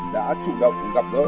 đã chủ động gặp gỡ